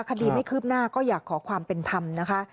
คดีไม่คืบหน้าก็อยากขอความเป็นธรรมนะคะ